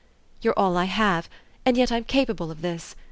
"You're all I have, and yet I'm capable of this.